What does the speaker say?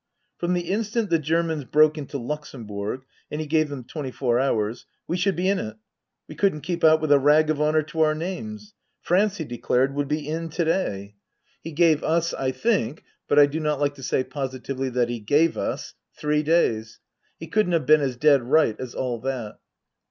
From the instant the Germans broke into Luxembourg and he gave them twenty four hours we should be in it. We couldn't keep out with a rag of honour to our names. France, he declared, would be in to day. He 256 Tasker Jevons gave us, I think but I do not like to say positively that he gave us three days ; he couldn't have been as dead right as all that.